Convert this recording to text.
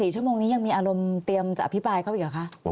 ๔ชั่วโมงนี้ยังมีอารมณ์เตรียมจะอภิปรายเข้าไปอีกเหรอคะ